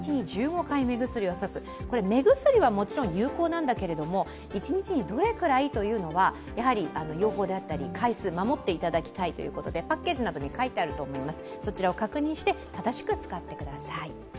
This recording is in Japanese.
目薬はもちろん有効なんだけれども、一日にどれくらいというのは、やはり療法や回数を守っていただきたいということで、パッケージなどに書いてあると思います。